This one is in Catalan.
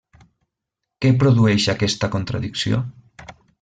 Què produeix aquesta contradicció?